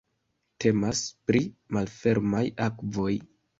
Temas pri malfermaj akvoj.